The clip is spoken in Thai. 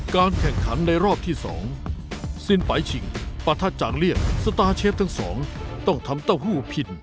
การแข่งขันในรอบที่๒สิ้นไปชิงประทัดจางเลียนสตาร์เชฟทั้งสองต้องทำเต้าหู้พิน